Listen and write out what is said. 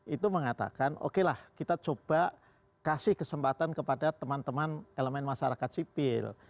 itu mengatakan oke lah kita coba kasih kesempatan kepada teman teman elemen masyarakat sipil